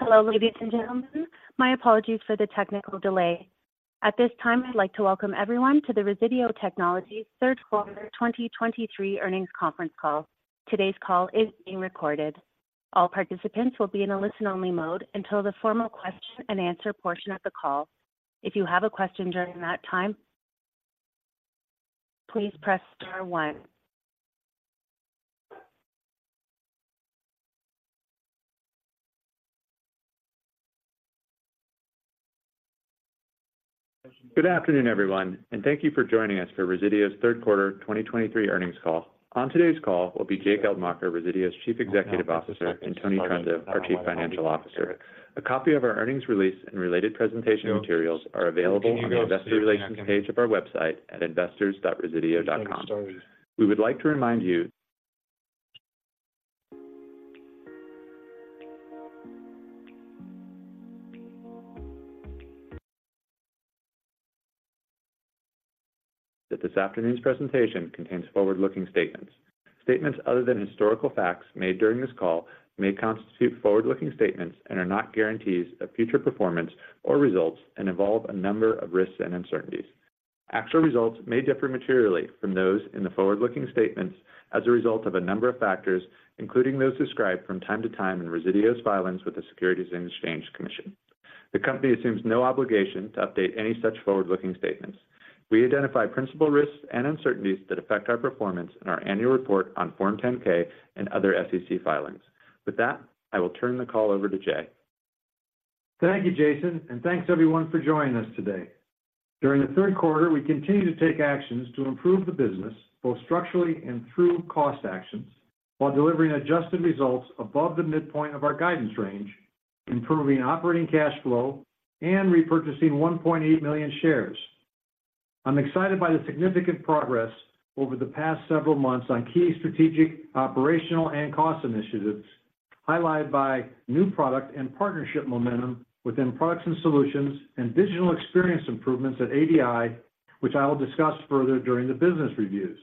Hello, ladies and gentlemen. My apologies for the technical delay. At this time, I'd like to welcome everyone to the Resideo Technologies Third Quarter 2023 Earnings Conference Call. Today's call is being recorded. All participants will be in a listen-only mode until the formal Q&A portion of the call. If you have a question during that time, please press star one. Good afternoon, everyone, and thank you for joining us for Resideo's Third Quarter 2023 Earnings Conference Call. On today's call will be Jay Geldmacher, Resideo's Chief Executive Officer, and Tony Trunzo, our Chief Financial Officer. A copy of our earnings release and related presentation materials are available on the investor relations page of our website at investors.resideo.com. We would like to remind you that this afternoon's presentation contains forward-looking statements. Statements other than historical facts made during this call may constitute forward-looking statements and are not guarantees of future performance or results and involve a number of risks and uncertainties. Actual results may differ materially from those in the forward-looking statements as a result of a number of factors, including those described from time to time in Resideo's filings with the Securities and Exchange Commission. The company assumes no obligation to update any such forward-looking statements. We identify principal risks and uncertainties that affect our performance in our annual report on Form 10-K and other SEC filings. With that, I will turn the call over to Jay. Thank you, Jason, and thanks everyone for joining us today. During the third quarter, we continued to take actions to improve the business, both structurally and through cost actions, while delivering adjusted results above the midpoint of our guidance range, improving operating cash flow, and repurchasing 1.8 million shares. I'm excited by the significant progress over the past several months on key strategic, operational, and cost initiatives, highlighted by new product and partnership momentum within products and solutions, and digital experience improvements at ADI, which I will discuss further during the business reviews.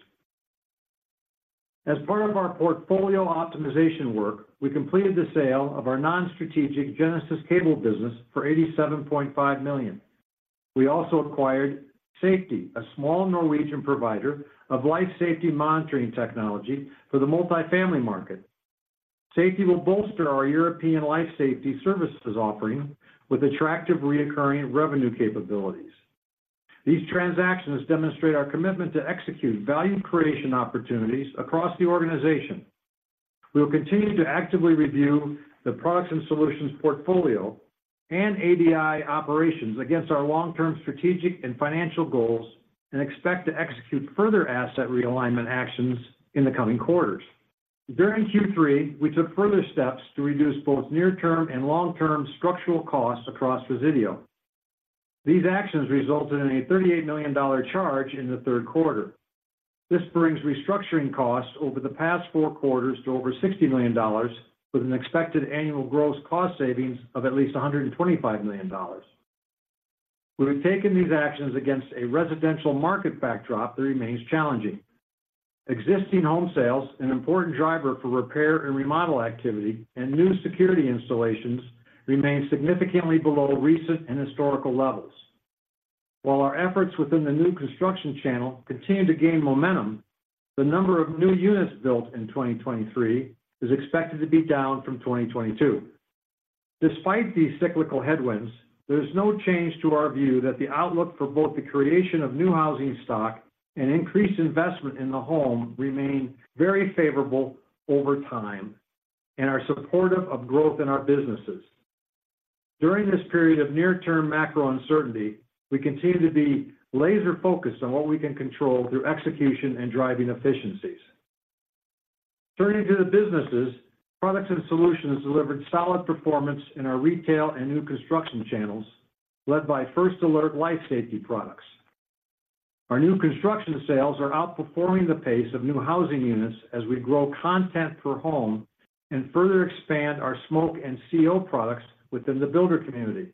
As part of our portfolio optimization work, we completed the sale of our non-strategic Genesis Cable business for $87.5 million. We also acquired Safety, a small Norwegian provider of life safety monitoring technology for the multifamily market. Safety will bolster our European life safety services offering with attractive recurring revenue capabilities. These transactions demonstrate our commitment to execute value creation opportunities across the organization. We will continue to actively review the products and solutions portfolio and ADI operations against our long-term strategic and financial goals, and expect to execute further asset realignment actions in the coming quarters. During Q3, we took further steps to reduce both near-term and long-term structural costs across Resideo. These actions resulted in a $38 million charge in the third quarter. This brings restructuring costs over the past four quarters to over $60 million, with an expected annual gross cost savings of at least $125 million. We have taken these actions against a residential market backdrop that remains challenging. Existing home sales, an important driver for repair and remodel activity and new security installations, remain significantly below recent and historical levels. While our efforts within the new construction channel continue to gain momentum, the number of new units built in 2023 is expected to be down from 2022. Despite these cyclical headwinds, there's no change to our view that the outlook for both the creation of new housing stock and increased investment in the home remain very favorable over time and are supportive of growth in our businesses. During this period of near-term macro uncertainty, we continue to be laser-focused on what we can control through execution and driving efficiencies. Turning to the businesses, products and solutions delivered solid performance in our retail and new construction channels, led by First Alert life safety products. Our new construction sales are outperforming the pace of new housing units as we grow content per home and further expand our smoke and CO products within the builder community.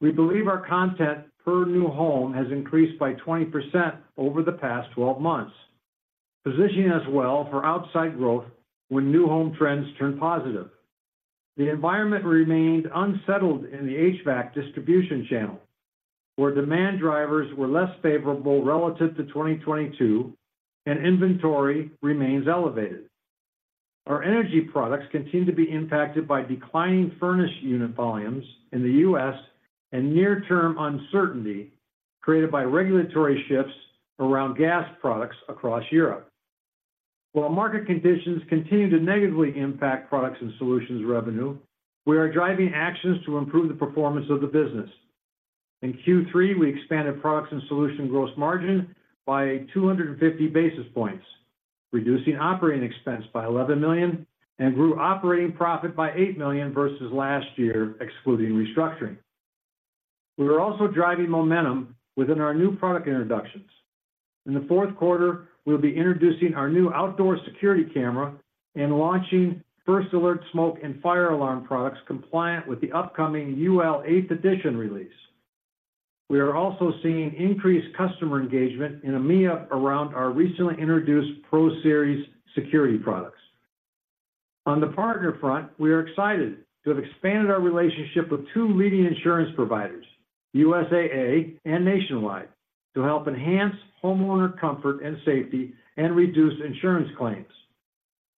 We believe our content per new home has increased by 20% over the past twelve months, positioning us well for outside growth when new home trends turn positive. The environment remained unsettled in the HVAC distribution channel, where demand drivers were less favorable relative to 2022, and inventory remains elevated. Our energy products continue to be impacted by declining furnace unit volumes in the U.S. and near-term uncertainty created by regulatory shifts around gas products across Europe. While market conditions continue to negatively impact products and solutions revenue, we are driving actions to improve the performance of the business. In Q3, we expanded products and solution gross margin by 250 basis points, reducing operating expense by $11 million, and grew operating profit by $8 million versus last year, excluding restructuring. We are also driving momentum within our new product introductions. In the fourth quarter, we'll be introducing our new outdoor security camera and launching First Alert smoke and fire alarm products compliant with the upcoming UL 8th Edition release. We are also seeing increased customer engagement in EMEA around our recently introduced ProSeries security products. On the partner front, we are excited to have expanded our relationship with two leading insurance providers, USAA and Nationwide, to help enhance homeowner comfort and safety and reduce insurance claims.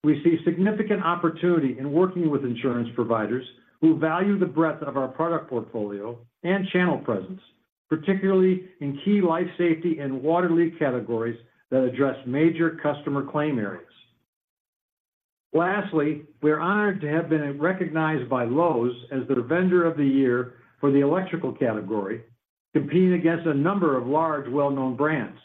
We see significant opportunity in working with insurance providers who value the breadth of our product portfolio and channel presence, particularly in key life safety and water leak categories that address major customer claim areas. Lastly, we are honored to have been recognized by Lowe's as the Vendor of the Year for the electrical category, competing against a number of large, well-known brands.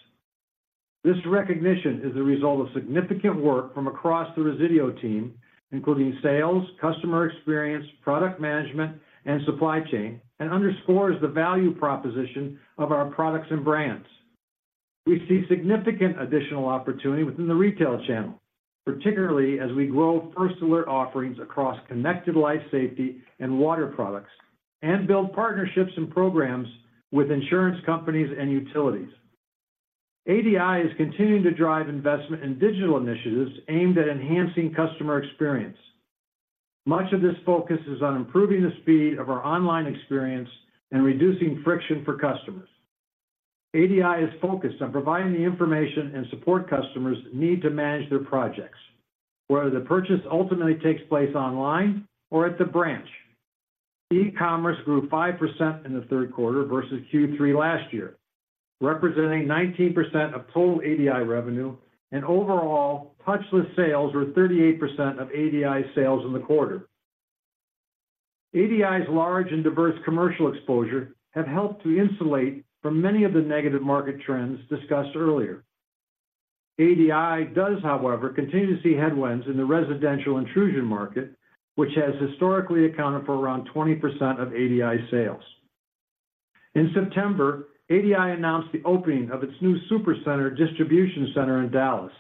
This recognition is the result of significant work from across the Resideo team, including sales, customer experience, product management, and supply chain, and underscores the value proposition of our products and brands. We see significant additional opportunity within the retail channel, particularly as we grow First Alert offerings across connected life, safety, and water products, and build partnerships and programs with insurance companies and utilities. ADI is continuing to drive investment in digital initiatives aimed at enhancing customer experience. Much of this focus is on improving the speed of our online experience and reducing friction for customers. ADI is focused on providing the information and support customers need to manage their projects, whether the purchase ultimately takes place online or at the branch. E-commerce grew 5% in the third quarter versus Q3 last year, representing 19% of total ADI revenue, and overall, touchless sales were 38% of ADI sales in the quarter. ADI's large and diverse commercial exposure have helped to insulate from many of the negative market trends discussed earlier. ADI does, however, continue to see headwinds in the residential intrusion market, which has historically accounted for around 20% of ADI sales. In September, ADI announced the opening of its new super center distribution center in Dallas.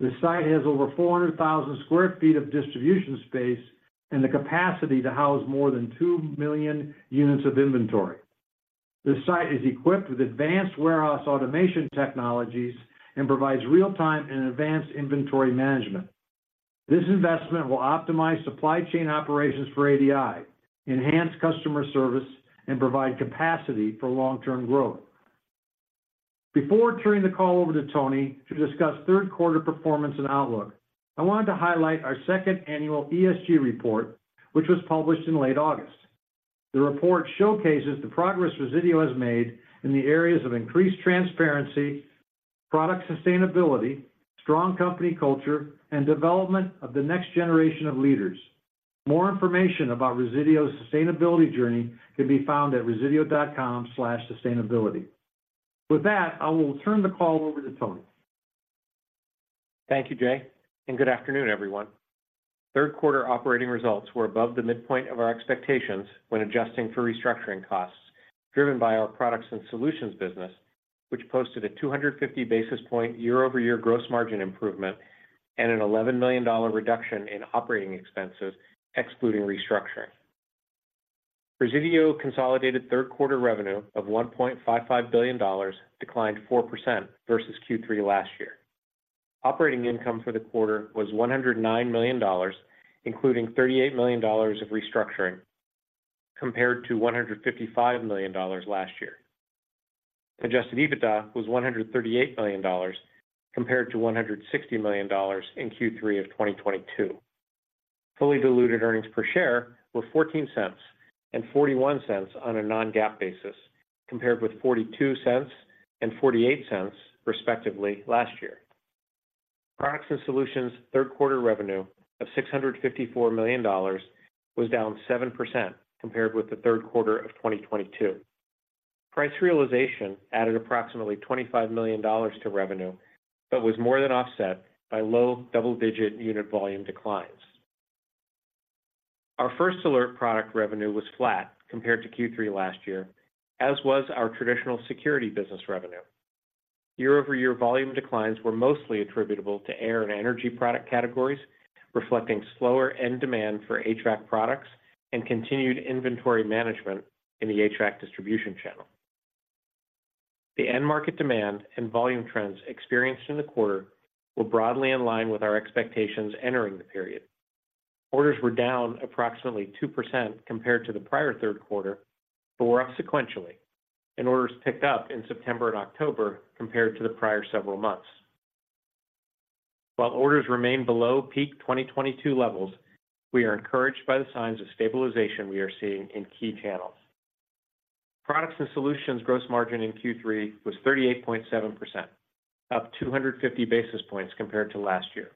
The site has over 400,000 sq ft of distribution space and the capacity to house more than 2,000,000 units of inventory. The site is equipped with advanced warehouse automation technologies and provides real-time and advanced inventory management. This investment will optimize supply chain operations for ADI, enhance customer service, and provide capacity for long-term growth. Before turning the call over to Tony to discuss third quarter performance and outlook, I wanted to highlight our second annual ESG report, which was published in late August. The report showcases the progress Resideo has made in the areas of increased transparency, product sustainability, strong company culture, and development of the next generation of leaders. More information about Resideo's sustainability journey can be found at resideo.com/sustainability. With that, I will turn the call over to Tony. Thank you, Jay, and good afternoon, everyone. Third quarter operating results were above the midpoint of our expectations when adjusting for restructuring costs, driven by our products and solutions business, which posted a 250 basis point year-over-year gross margin improvement and an $11 million reduction in operating expenses, excluding restructuring. Resideo consolidated third quarter revenue of $1.55 billion, declined 4% versus Q3 last year. Operating income for the quarter was $109 million, including $38 million of restructuring, compared to $155 million last year. Adjusted EBITDA was $138 million, compared to $160 million in Q3 of 2022. Fully diluted earnings per share were $0.14 and $0.41 on a non-GAAP basis, compared with $0.42 and $0.48, respectively, last year. Products and Solutions third quarter revenue of $654 million was down 7% compared with the third quarter of 2022. Price realization added approximately $25 million to revenue, but was more than offset by low double-digit unit volume declines. Our First Alert product revenue was flat compared to Q3 last year, as was our traditional security business revenue. Year-over-year volume declines were mostly attributable to air and energy product categories, reflecting slower end demand for HVAC products and continued inventory management in the HVAC distribution channel. The end market demand and volume trends experienced in the quarter were broadly in line with our expectations entering the period. Orders were down approximately 2% compared to the prior third quarter, but were up sequentially, and orders picked up in September and October compared to the prior several months. While orders remain below peak 2022 levels, we are encouraged by the signs of stabilization we are seeing in key channels. Products and solutions gross margin in Q3 was 38.7%, up 250 basis points compared to last year.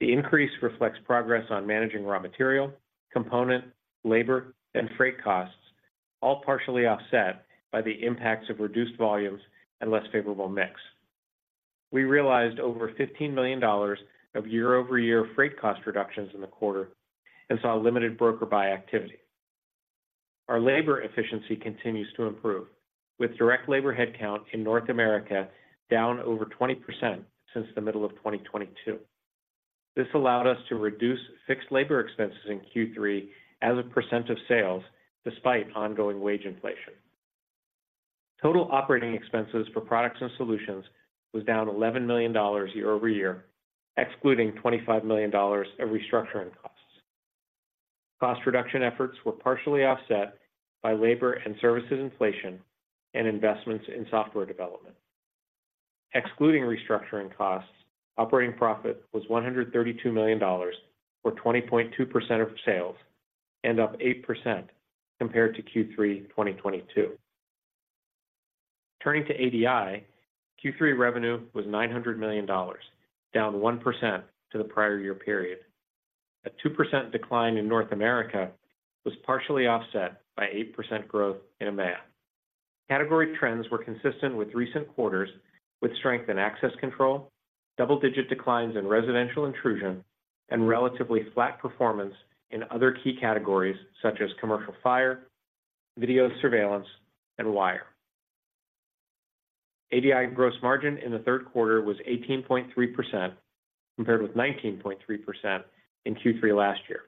The increase reflects progress on managing raw material, component, labor, and freight costs, all partially offset by the impacts of reduced volumes and less favorable mix. We realized over $15 million of year-over-year freight cost reductions in the quarter and saw limited broker buy activity. Our labor efficiency continues to improve, with direct labor headcount in North America down over 20% since the middle of 2022. This allowed us to reduce fixed labor expenses in Q3 as a percent of sales, despite ongoing wage inflation. Total operating expenses for Products and Solutions was down $11 million year-over-year, excluding $25 million of restructuring costs. Cost reduction efforts were partially offset by labor and services inflation and investments in software development. Excluding restructuring costs, operating profit was $132 million, or 20.2% of sales, and up 8% compared to Q3 2022. Turning to ADI, Q3 revenue was $900 million, down 1% to the prior year period. A 2% decline in North America was partially offset by 8% growth in EMEA. Category trends were consistent with recent quarters, with strength in access control, double-digit declines in residential intrusion, and relatively flat performance in other key categories such as commercial fire, video surveillance, and wire. ADI gross margin in the third quarter was 18.3%, compared with 19.3% in Q3 last year.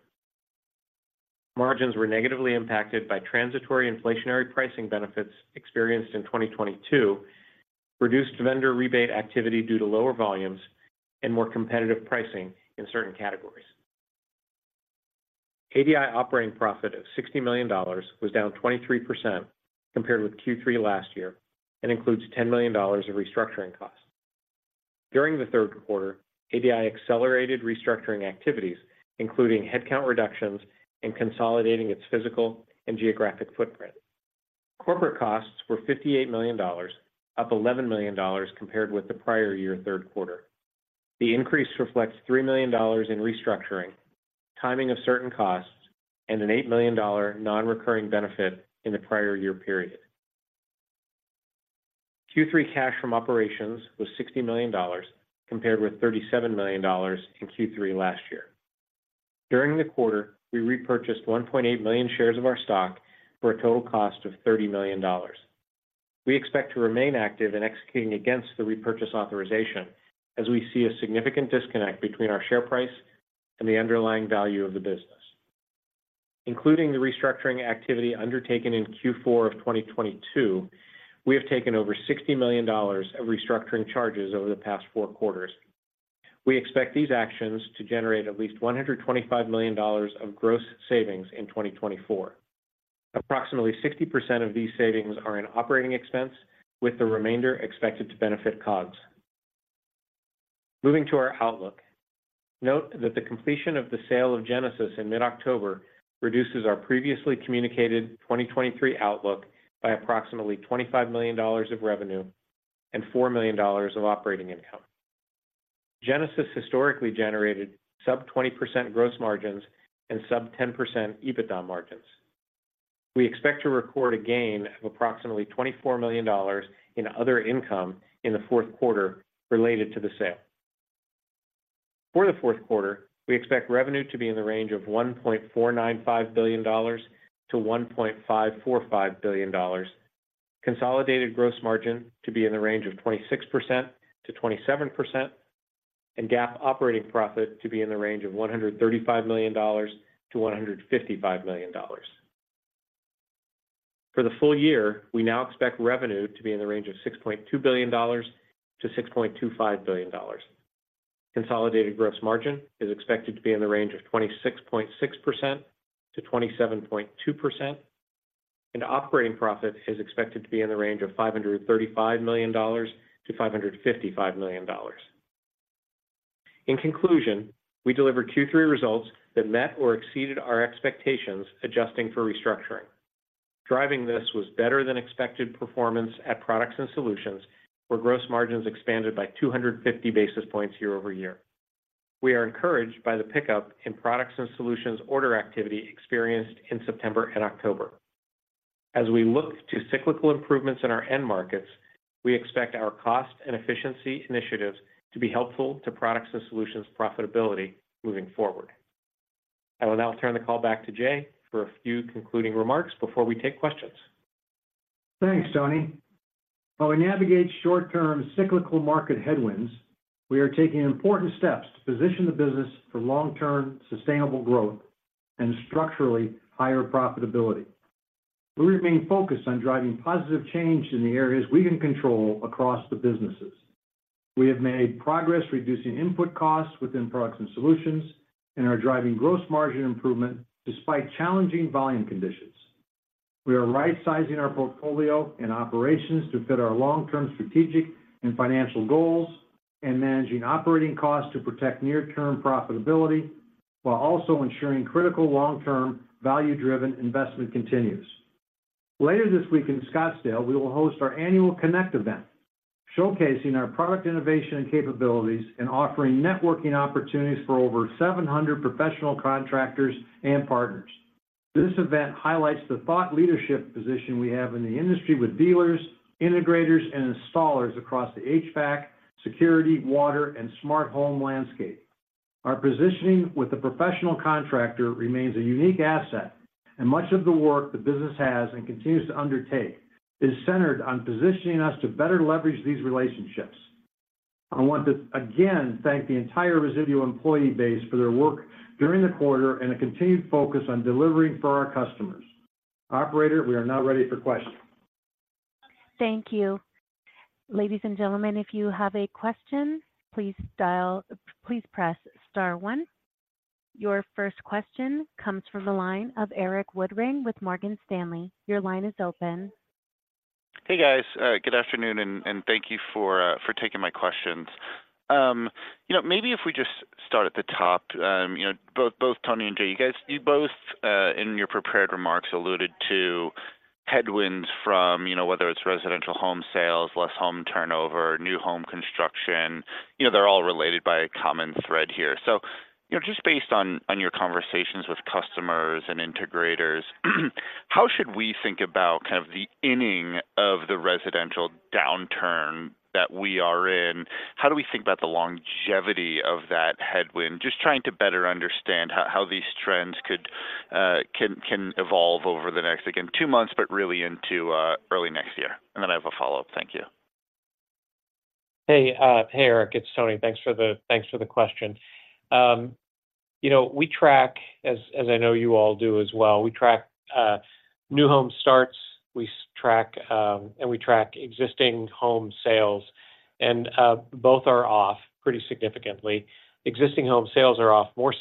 Margins were negatively impacted by transitory inflationary pricing benefits experienced in 2022, reduced vendor rebate activity due to lower volumes, and more competitive pricing in certain categories. ADI operating profit of $60 million was down 23% compared with Q3 last year, and includes $10 million of restructuring costs. During the third quarter, ADI accelerated restructuring activities, including headcount reductions and consolidating its physical and geographic footprint. Corporate costs were $58 million, up $11 million compared with the prior year third quarter. The increase reflects $3 million in restructuring, timing of certain costs, and an $8 million non-recurring benefit in the prior year period. Q3 cash from operations was $60 million, compared with $37 million in Q3 last year. During the quarter, we repurchased 1.8 million shares of our stock for a total cost of $30 million. We expect to remain active in executing against the repurchase authorization as we see a significant disconnect between our share price and the underlying value of the business. Including the restructuring activity undertaken in Q4 of 2022, we have taken over $60 million of restructuring charges over the past four quarters. We expect these actions to generate at least $125 million of gross savings in 2024. Approximately 60% of these savings are in operating expense, with the remainder expected to benefit COGS. Moving to our outlook. Note that the completion of the sale of Genesis in mid-October reduces our previously communicated 2023 outlook by approximately $25 million of revenue and $4 million of operating income. Genesis historically generated sub 20% gross margins and sub 10% EBITDA margins. We expect to record a gain of approximately $24 million in other income in the fourth quarter related to the sale. For the fourth quarter, we expect revenue to be in the range of $1.495 billion-$1.545 billion. Consolidated gross margin to be in the range of 26%-27%, and GAAP operating profit to be in the range of $135 million-$155 million. For the full year, we now expect revenue to be in the range of $6.2 billion-$6.25 billion. Consolidated gross margin is expected to be in the range of 26.6%-27.2%, and operating profit is expected to be in the range of $535 million-$555 million. In conclusion, we delivered Q3 results that met or exceeded our expectations, adjusting for restructuring. Driving this was better than expected performance at Products and Solutions, where gross margins expanded by 250 basis points year-over-year. We are encouraged by the pickup in Products and Solutions order activity experienced in September and October. As we look to cyclical improvements in our end markets, we expect our cost and efficiency initiatives to be helpful to Products and Solutions profitability moving forward. I will now turn the call back to Jay for a few concluding remarks before we take questions. Thanks, Tony. While we navigate short-term cyclical market headwinds, we are taking important steps to position the business for long-term, sustainable growth and structurally higher profitability. We remain focused on driving positive change in the areas we can control across the businesses. We have made progress reducing input costs within Products and Solutions and are driving gross margin improvement despite challenging volume conditions. We are rightsizing our portfolio and operations to fit our long-term strategic and financial goals, and managing operating costs to protect near-term profitability, while also ensuring critical long-term, value-driven investment continues. Later this week in Scottsdale, we will host our annual Connect event, showcasing our product innovation and capabilities and offering networking opportunities for over 700 professional contractors and partners. This event highlights the thought leadership position we have in the industry with dealers, integrators, and installers across the HVAC, security, water, and smart home landscape. Our positioning with the professional contractor remains a unique asset and much of the work the business has and continues to undertake is centered on positioning us to better leverage these relationships. I want to again thank the entire Resideo employee base for their work during the quarter and a continued focus on delivering for our customers. Operator, we are now ready for questions. Thank you. Ladies and gentlemen, if you have a question, please press star one. Your first question comes from the line of Erik Woodring with Morgan Stanley. Your line is open. Hey, guys. Good afternoon, and thank you for taking my questions. You know, maybe if we just start at the top, you know, both Tony and Jay, you guys, you both in your prepared remarks alluded to headwinds from, you know, whether it's residential home sales, less home turnover, new home construction, you know, they're all related by a common thread here. So, you know, just based on your conversations with customers and integrators, how should we think about kind of the inning of the residential downturn that we are in? How do we think about the longevity of that headwind? Just trying to better understand how these trends could evolve over the next, again, two months, but really into early next year. And then I have a follow-up. Thank you. Hey, Erik, it's Tony. Thanks for the—Thanks for the question. You know, we track, as, as I know you all do as well, we track, new home starts, we track, and we track existing home sales, and, both are off pretty significantly. Existing home sales are off more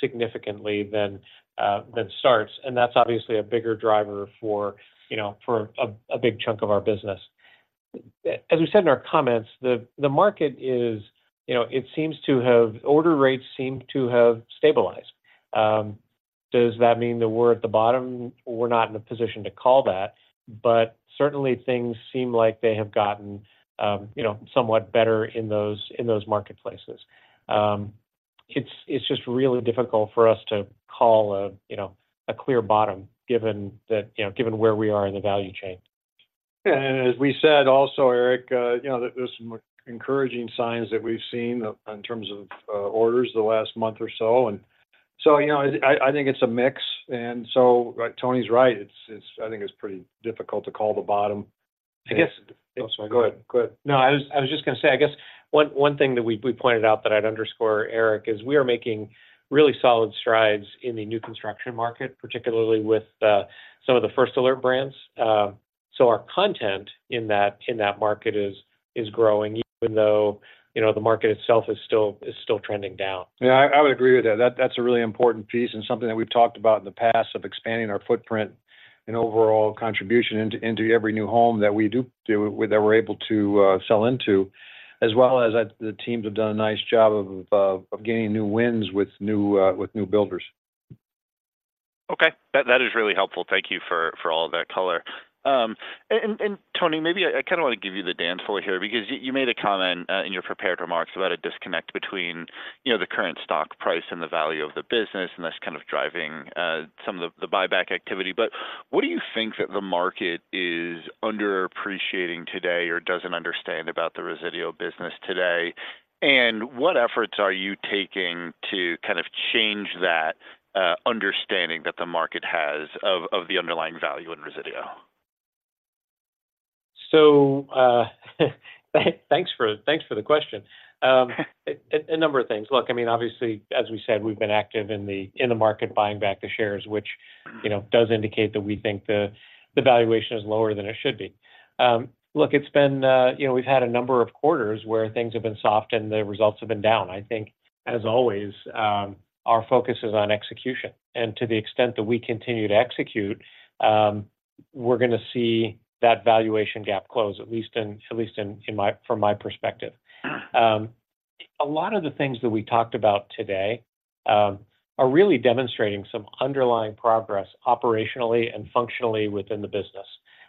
significantly than, than starts, and that's obviously a bigger driver for, you know, for a, a big chunk of our business. As we said in our comments, the, the market is, you know, it seems to have—order rates seem to have stabilized. Does that mean that we're at the bottom? We're not in a position to call that, but certainly, things seem like they have gotten, you know, somewhat better in those, in those marketplaces. It's just really difficult for us to call, you know, a clear bottom, given where we are in the value chain. And as we said, also, Erik, you know, there, there's some encouraging signs that we've seen in terms of, orders the last month or so. And so, you know, I, I think it's a mix, and so Tony's right. It's, it's-- I think it's pretty difficult to call the bottom. I guess- Go ahead. Go ahead. No, I was just gonna say, I guess one thing that we pointed out that I'd underscore, Erik, is we are making really solid strides in the new construction market, particularly with some of the First Alert brands. So our content in that market is growing, even though, you know, the market itself is still trending down. Yeah, I would agree with that. That's a really important piece and something that we've talked about in the past of expanding our footprint and overall contribution into, into every new home that we do- that we're able to sell into, as well as the teams have done a nice job of, of gaining new wins with new, with new builders. Okay. That is really helpful. Thank you for all of that color. And Tony, maybe I kinda wanna give you the dance floor here because you made a comment in your prepared remarks about a disconnect between, you know, the current stock price and the value of the business, and that's kind of driving some of the buyback activity. But what do you think that the market is underappreciating today or doesn't understand about the Resideo business today? And what efforts are you taking to kind of change that understanding that the market has of the underlying value in Resideo? Thanks for the question. A number of things. Look, I mean, obviously, as we said, we've been active in the market, buying back the shares, which, you know, does indicate that we think the valuation is lower than it should be. Look, it's been, you know, we've had a number of quarters where things have been soft, and the results have been down. I think, as always, our focus is on execution, and to the extent that we continue to execute, we're gonna see that valuation gap close, at least in, at least in, from my perspective. A lot of the things that we talked about today are really demonstrating some underlying progress operationally and functionally within the business.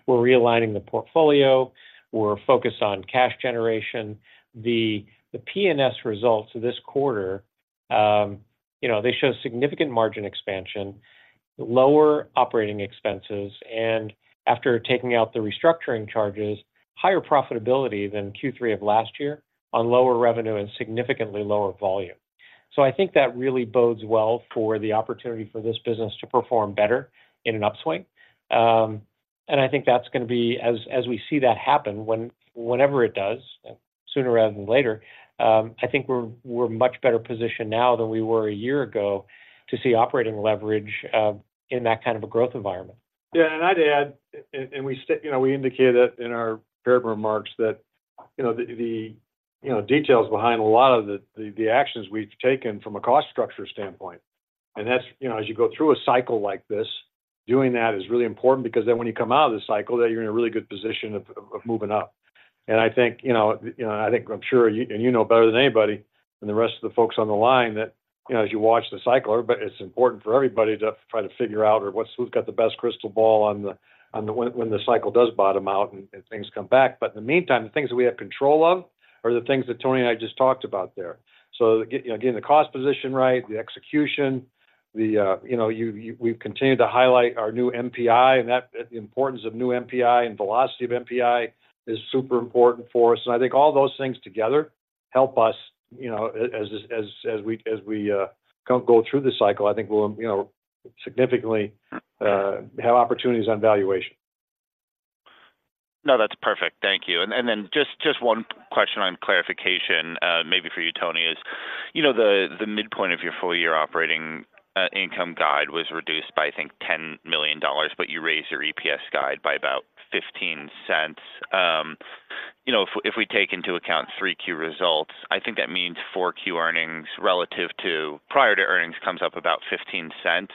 We're realigning the portfolio. We're focused on cash generation. The P&S results this quarter, you know, they show significant margin expansion, lower operating expenses, and after taking out the restructuring charges, higher profitability than Q3 of last year on lower revenue and significantly lower volume. So I think that really bodes well for the opportunity for this business to perform better in an upswing. And I think that's gonna be, as we see that happen, whenever it does, sooner rather than later, I think we're much better positioned now than we were a year ago to see operating leverage in that kind of a growth environment. Yeah, and I'd add, we indicated that in our prepared remarks that, you know, the details behind a lot of the actions we've taken from a cost structure standpoint. That's, you know, as you go through a cycle like this, doing that is really important because then when you come out of the cycle, you're in a really good position of moving up. I think, you know, I think I'm sure, and you know better than anybody and the rest of the folks on the line that, you know, as you watch the cycle, it's important for everybody to try to figure out or what's-- who's got the best crystal ball on the, on the, when the cycle does bottom out and things come back. But in the meantime, the things that we have control of are the things that Tony and I just talked about there. So again, the cost position right, the execution, you know, we've continued to highlight our new MPI and that, the importance of new MPI and velocity of MPI is super important for us. And I think all those things together help us, you know, as we kind of go through this cycle, I think we'll, you know, significantly have opportunities on valuation. No, that's perfect. Thank you. And then just one question on clarification, maybe for you, Tony, is, you know, the midpoint of your full year operating income guide was reduced by, I think, $10 million, but you raised your EPS guide by about $0.15. You know, if we take into account Q3 results, I think that means Q4 earnings relative to prior to earnings comes up about $0.15.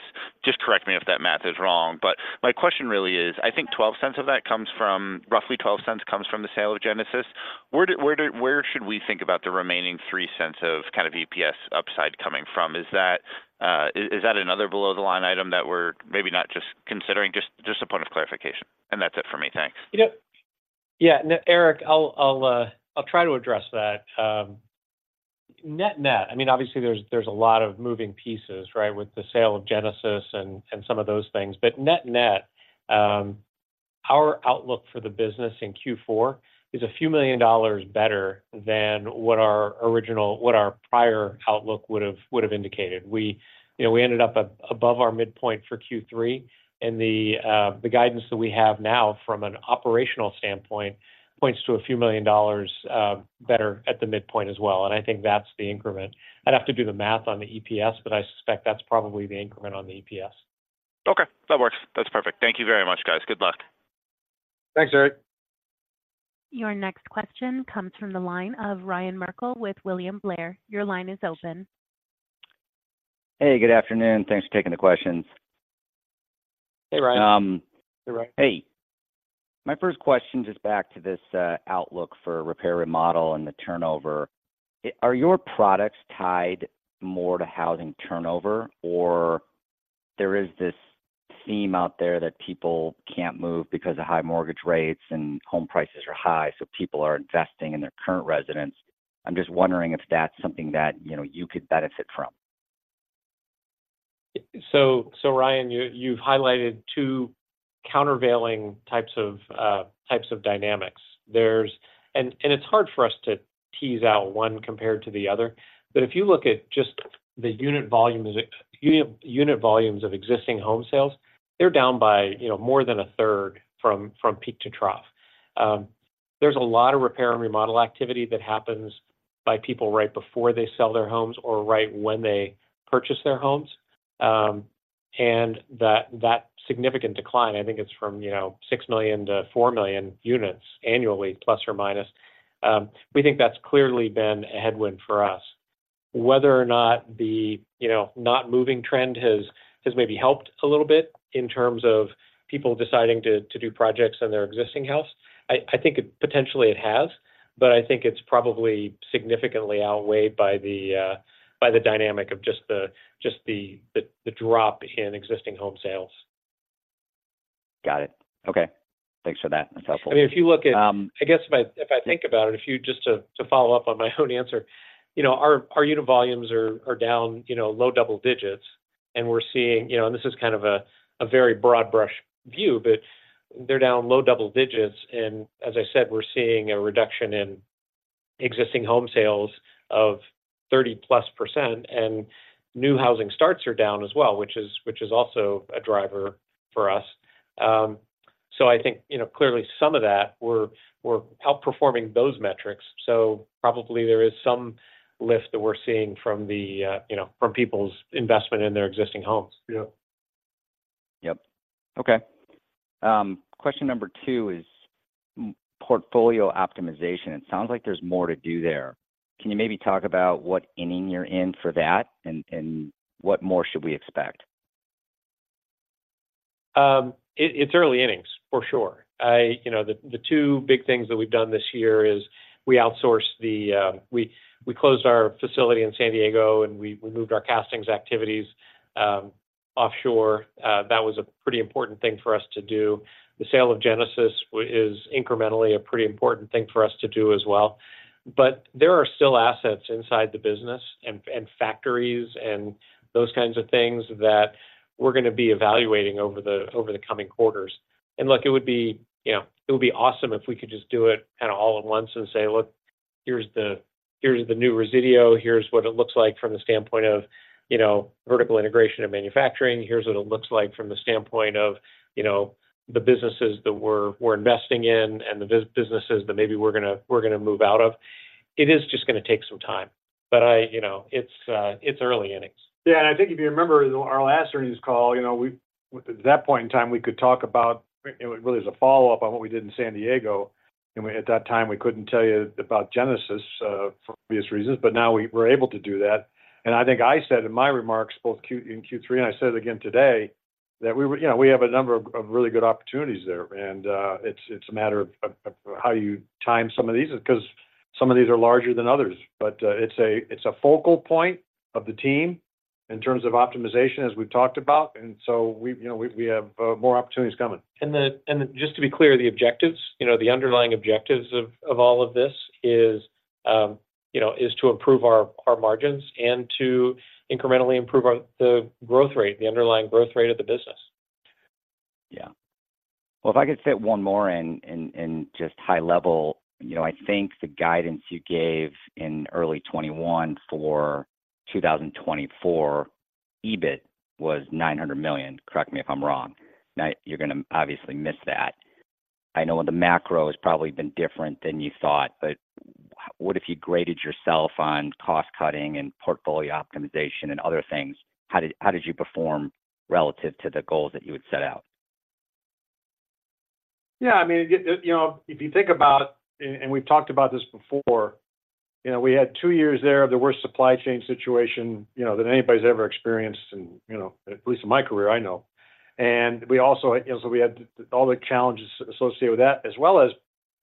Just correct me if that math is wrong, but my question really is, I think $0.12 of that comes from—roughly $0.12 comes from the sale of Genesis. Where should we think about the remaining $0.03 of kind of EPS upside coming from? Is that another below-the-line item that we're maybe not just considering? Just, just a point of clarification, and that's it for me. Thanks. You know, yeah. No, Erik, I'll try to address that. Net-net, I mean, obviously, there's a lot of moving pieces, right? With the sale of Genesis and some of those things. But net-net, our outlook for the business in Q4 is a few million dollars better than what our original—what our prior outlook would've indicated. We, you know, we ended up above our midpoint for Q3, and the guidance that we have now from an operational standpoint points to a few million dollars better at the midpoint as well, and I think that's the increment. I'd have to do the math on the EPS, but I suspect that's probably the increment on the EPS. Okay, that works. That's perfect. Thank you very much, guys. Good luck. Thanks, Erik. Your next question comes from the line of Ryan Merkel with William Blair. Your line is open. Hey, good afternoon. Thanks for taking the questions. Hey, Ryan. Hey, Ryan. Hey. My first question, just back to this, outlook for repair, remodel, and the turnover. Are your products tied more to housing turnover? Or there is this theme out there that people can't move because of high mortgage rates and home prices are high, so people are investing in their current residence. I'm just wondering if that's something that, you know, you could benefit from. Ryan, you've highlighted two countervailing types of dynamics. There's-- it's hard for us to tease out one compared to the other. If you look at just the unit volumes of existing home sales, they're down by more than a third from peak to trough. There's a lot of repair and remodel activity that happens by people right before they sell their homes or right when they purchase their homes. That significant decline, I think it's from $6 million to $4 million units annually, plus or minus. We think that's clearly been a headwind for us. Whether or not the, you know, not moving trend has maybe helped a little bit in terms of people deciding to do projects in their existing house, I think it potentially has, but I think it's probably significantly outweighed by the dynamic of just the drop in existing home sales. Got it. Okay. Thanks for that. That's helpful. I mean, if you look at.. I guess if I, if I think about it, if you just to follow up on my own answer, you know, our, our unit volumes are, are down, you know, low double digits, and we're seeing. You know, and this is kind of a, a very broad brush view, but they're down low double digits. And as I said, we're seeing a reduction in existing home sales of 30%+, and new housing starts are down as well, which is, which is also a driver for us. So I think, you know, clearly some of that, we're, we're outperforming those metrics, so probably there is some lift that we're seeing from the, you know, from people's investment in their existing homes. Yeah. Yep. Okay. Question number two is portfolio optimization. It sounds like there's more to do there. Can you maybe talk about what inning you're in for that, and what more should we expect? It's early innings, for sure. You know, the two big things that we've done this year is we outsourced the, we closed our facility in San Diego, and we moved our castings activities offshore. That was a pretty important thing for us to do. The sale of Genesis is incrementally a pretty important thing for us to do as well. But there are still assets inside the business and factories, and those kinds of things that we're gonna be evaluating over the coming quarters. And look, it would be, you know, it would be awesome if we could just do it kind of all at once and say: Look, here's the new Resideo. Here's what it looks like from the standpoint of, you know, vertical integration and manufacturing. Here's what it looks like from the standpoint of, you know, the businesses that we're investing in and the businesses that maybe we're gonna move out of. It is just gonna take some time, but I, you know, it's early innings. Yeah, and I think if you remember our last earnings call, you know, we-- at that point in time, we could talk about, it, it really was a follow-up on what we did in San Diego, and we, at that time, we couldn't tell you about Genesis, for obvious reasons, but now we're able to do that. And I think I said in my remarks, both in Q3, and I said it again today, that we were-- you know, we have a number of, of really good opportunities there, and, it's, it's a matter of, of how you time some of these, 'cause some of these are larger than others. But, it's a, it's a focal point of the team in terms of optimization, as we've talked about, and so we, you know, we, we have, more opportunities coming. Just to be clear, the objectives, you know, the underlying objectives of all of this is to improve our margins and to incrementally improve the growth rate, the underlying growth rate of the business. Yeah. Well, if I could fit one more in just high level, you know, I think the guidance you gave in early 2021 for 2024 EBIT was $900 million. Correct me if I'm wrong. Now, you're gonna obviously miss that. I know the macro has probably been different than you thought, but what if you graded yourself on cost cutting and portfolio optimization and other things? How did you perform relative to the goals that you had set out? Yeah, I mean, it you know, if you think about and we've talked about this before, you know, we had two years there of the worst supply chain situation, you know, that anybody's ever experienced and, you know, at least in my career, I know. And we also, you know, so we had all the challenges associated with that, as well as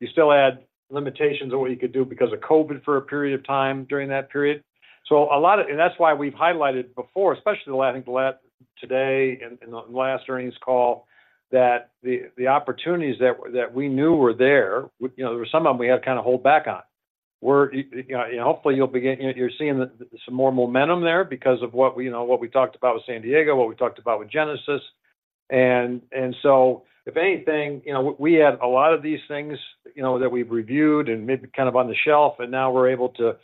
you still had limitations on what you could do because of COVID for a period of time during that period. So a lot of... And that's why we've highlighted before, especially the last—today and and the last earnings call, that the opportunities that we knew were there, you know, there were some of them we had to kind of hold back on. We're, you know, hopefully you'll be getting—you're seeing some more momentum there because of what, you know, what we talked about with San Diego, what we talked about with Genesis. And so if anything, you know, we had a lot of these things, you know, that we've reviewed and maybe kind of on the shelf, and now we're able to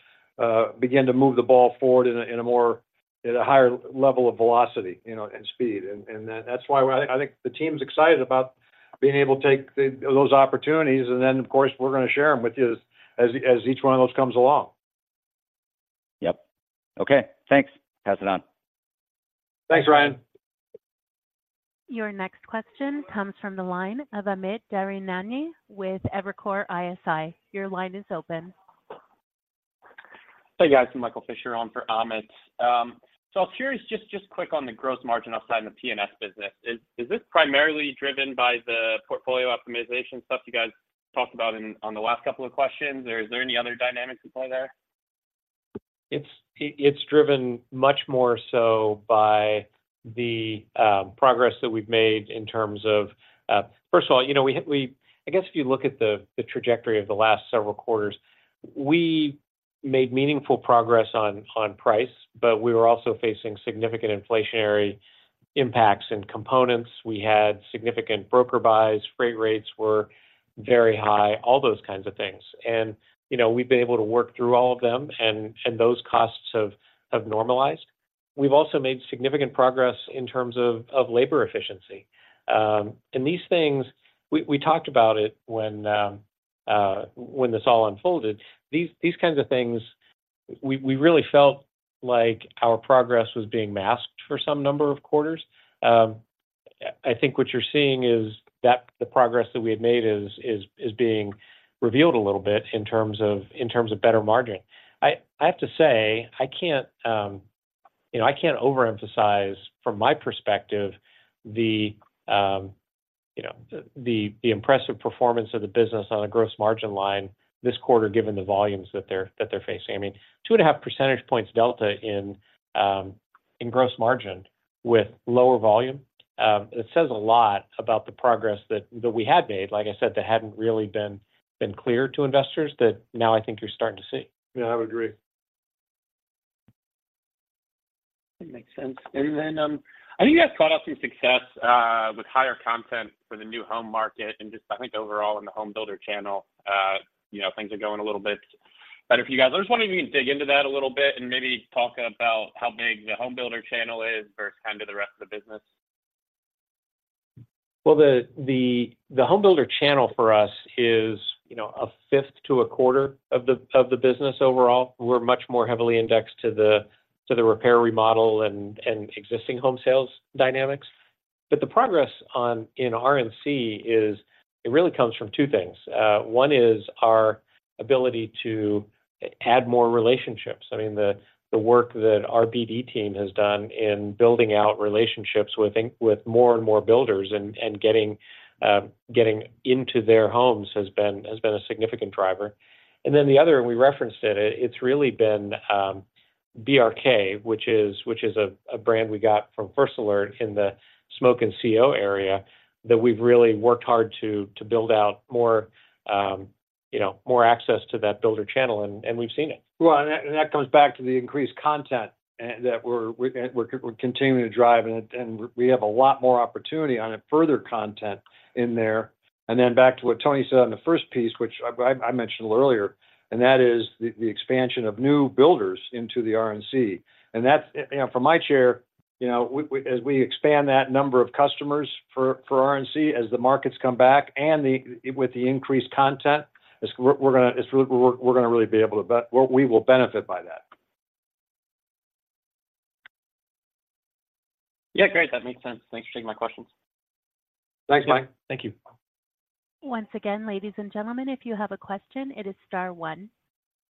begin to move the ball forward in a more, at a higher level of velocity, you know, and speed. And that's why I think the team's excited about being able to take those opportunities. And then, of course, we're gonna share them with you as each one of those comes along. Yep. Okay, thanks. Pass it on. Thanks, Ryan. Your next question comes from the line of Amit Daryanani with Evercore ISI. Your line is open. Hey, guys, I'm Michael Fisher on for Amit. So I was curious, just quick on the gross margin outlook in the P&S business. Is this primarily driven by the portfolio optimization stuff you guys talked about in on the last couple of questions, or is there any other dynamics at play there? It's driven much more so by the progress that we've made in terms of... First of all, you know, I guess if you look at the trajectory of the last several quarters, we made meaningful progress on price, but we were also facing significant inflationary impacts and components. We had significant broker buys, freight rates were very high, all those kinds of things. And, you know, we've been able to work through all of them, and those costs have normalized. We've also made significant progress in terms of labor efficiency. And these things, we talked about it when this all unfolded. These kinds of things, we really felt like our progress was being masked for some number of quarters. I think what you're seeing is that the progress that we had made is being revealed a little bit in terms of better margin. I have to say, I can't, you know, I can't overemphasize from my perspective, you know, the impressive performance of the business on a gross margin line this quarter, given the volumes that they're facing. I mean, 2.5 percentage points delta in gross margin with lower volume, it says a lot about the progress that we had made. Like I said, that hadn't really been clear to investors, that now I think you're starting to see. Yeah, I would agree. It makes sense. Then, I think you guys called out some success with higher content for the new home market, and just I think overall in the home builder channel, you know, things are going a little bit better for you guys. I just wondered if you can dig into that a little bit and maybe talk about how big the home builder channel is versus kind of the rest of the business? Well, the home builder channel for us is, you know, a fifth to a quarter of the business overall. We're much more heavily indexed to the repair, remodel, and existing home sales dynamics. But the progress in RNC is, it really comes from two things. One is our ability to add more relationships. I mean, the work that our BD team has done in building out relationships with more and more builders and getting into their homes has been a significant driver. And then the other, and we referenced it, it's really been BRK, which is a brand we got from First Alert in the smoke and CO area, that we've really worked hard to build out more, you know, more access to that builder channel, and we've seen it. Well, that comes back to the increased content that we're continuing to drive, and we have a lot more opportunity on it, further content in there. Then back to what Tony said on the first piece, which I mentioned a little earlier, and that is the expansion of new builders into the RNC. That's, you know, from my chair, you know, we as we expand that number of customers for RNC, as the markets come back and with the increased content, we're gonna really be able to be—we will benefit by that. Yeah, great. That makes sense. Thanks for taking my questions. Thanks, Mike. Thank you. Once again, ladies and gentlemen, if you have a question, it is star one.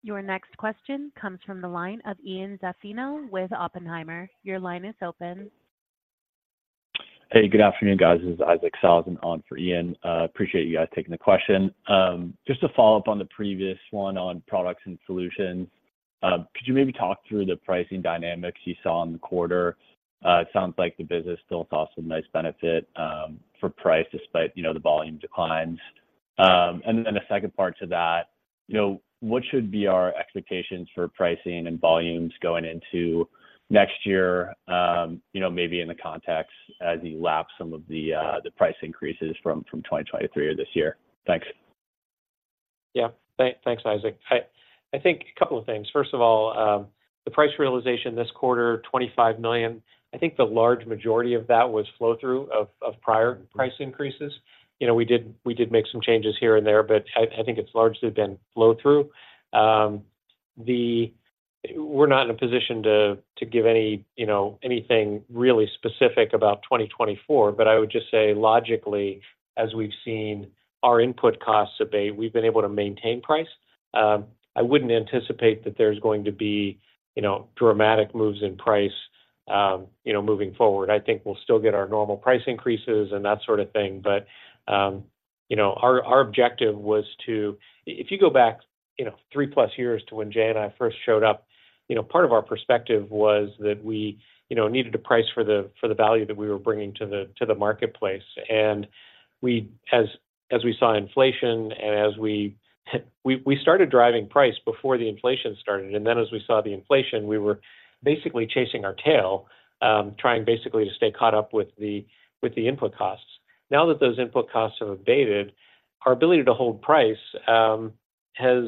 Your next question comes from the line of Ian Zaffino with Oppenheimer. Your line is open. Hey, good afternoon, guys. This is Isaac Sellhausen on for Ian. Appreciate you guys taking the question. Just to follow up on the previous one on products and solutions, could you maybe talk through the pricing dynamics you saw in the quarter? It sounds like the business still saw some nice benefit for price despite, you know, the volume declines. And then the second part to that, you know, what should be our expectations for pricing and volumes going into next year, you know, maybe in the context as you lap some of the price increases from 2023 or this year? Thanks. Yeah. Thanks, Isaac. I think a couple of things. First of all, the price realization this quarter, $25 million, I think the large majority of that was flow-through of prior price increases. You know, we did make some changes here and there, but I think it's largely been flow-through. We're not in a position to give any, you know, anything really specific about 2024, but I would just say, logically, as we've seen our input costs abate, we've been able to maintain price. I wouldn't anticipate that there's going to be, you know, dramatic moves in price, you know, moving forward. I think we'll still get our normal price increases and that sort of thing. But, you know, our objective was to... If you go back, you know, three-plus years to when Jay and I first showed up, you know, part of our perspective was that we, you know, needed to price for the value that we were bringing to the marketplace. And we—as we saw inflation and as we started driving price before the inflation started, and then as we saw the inflation, we were basically chasing our tail, trying basically to stay caught up with the input costs. Now that those input costs have abated, our ability to hold price has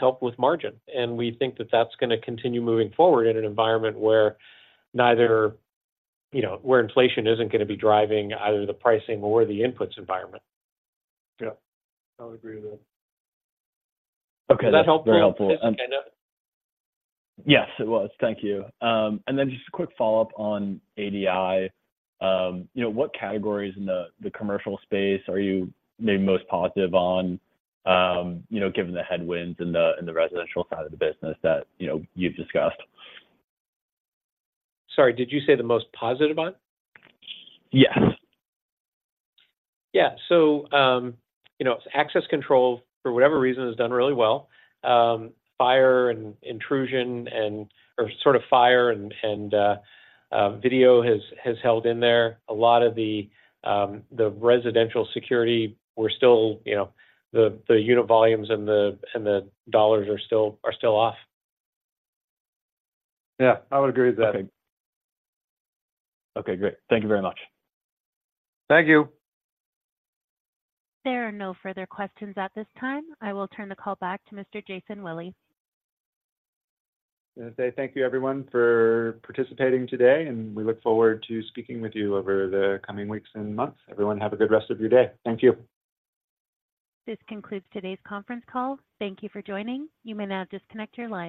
helped with margin, and we think that that's gonna continue moving forward in an environment where inflation isn't gonna be driving either the pricing or the inputs environment. Yeah, I would agree with that. Okay. Was that helpful? Very helpful. Okay, good. Yes, it was. Thank you. And then just a quick follow-up on ADI. You know, what categories in the, the commercial space are you maybe most positive on, you know, given the headwinds in the, in the residential side of the business that, you know, you've discussed? Sorry, did you say the most positive on? Yes. Yeah. So, you know, access control, for whatever reason, has done really well. Fire and intrusion or sort of fire and video has held in there. A lot of the residential security were still, you know, the unit volumes and the dollars are still off. Yeah, I would agree with that. Okay. Okay, great. Thank you very much. Thank you. There are no further questions at this time. I will turn the call back to Mr. Jason Willey. I want to say thank you, everyone, for participating today, and we look forward to speaking with you over the coming weeks and months. Everyone, have a good rest of your day. Thank you. This concludes today's conference call. Thank you for joining. You may now disconnect your line.